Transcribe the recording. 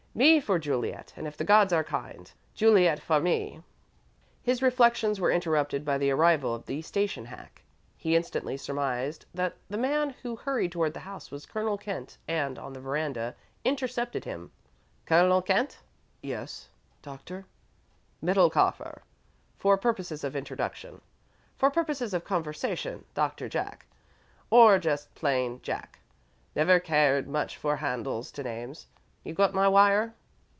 "Me for Juliet, and, if the gods are kind, Juliet for me!" His reflections were interrupted by the arrival of the station hack. He instantly surmised that the man who hurried toward the house was Colonel Kent, and, on the veranda, intercepted him. "Colonel Kent?" "Yes. Doctor ? "Middlekauffer, for purposes of introduction. For purposes of conversation, 'Doctor Jack,' or just plain 'Jack.' Never cared much for handles to names. You got my wire?"